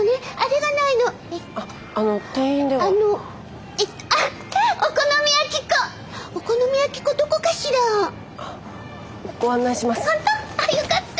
あっよかった。